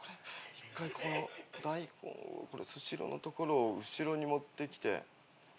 一回こう台本をこれスシローのところを後ろに持ってきて。